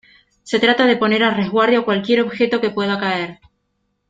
se trata de poner a resguardo cualquier objeto que pueda caer.